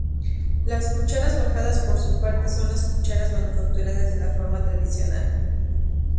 Las cucharas forjadas, por su parte, son las cucharas manufacturadas de la forma tradicional.